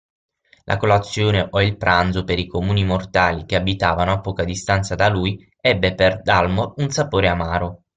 La colazione, o il pranzo per i comuni mortali che abitavano a poca distanza da lui, ebbe per Dalmor un sapore amaro.